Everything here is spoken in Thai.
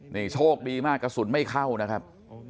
นี่โชคดีมากกระสุนไม่เข้านะครับ